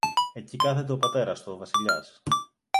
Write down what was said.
Εκεί κάθεται ο πατέρας του, ο Βασιλιάς.